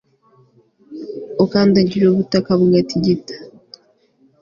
ukandagira ubutaka bugatigita